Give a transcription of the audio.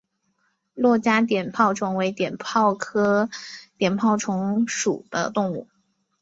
珞珈碘泡虫为碘泡科碘泡虫属的动物。